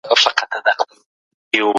خلګ به په راتلونکي کي ډیر پس انداز کوي.